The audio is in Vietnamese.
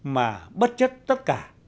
mà bất chất tất cả